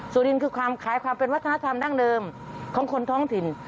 สุรินคือความขายความเป็นวัฒนธรรมดั้งเดิมของคนท้องถิ่น